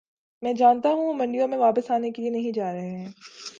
میں جانتا ہوں وہ منڈیوں میں واپس آنے کے لیے نہیں جا رہے ہیں